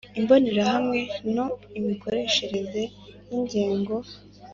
Imbonerahamwe No Imikoreshereze y ingengo